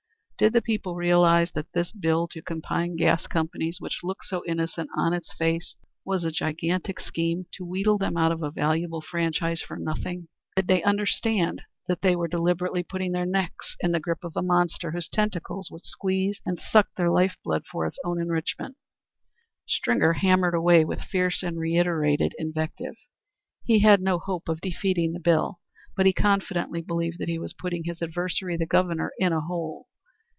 Did the people realize that this bill to combine gas companies, which looked so innocent on its face, was a gigantic scheme to wheedle them out of a valuable franchise for nothing? Did they understand that they were deliberately putting their necks in the grip of a monster whose tentacles would squeeze and suck their life blood for its own enrichment? Stringer hammered away with fierce and reiterated invective. He had no hope of defeating the bill, but he confidently believed that he was putting his adversary, the Governor, in a hole.